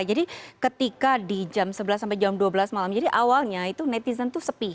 jadi ketika di jam sebelas sampai jam dua belas malam jadi awalnya itu netizen tuh sepi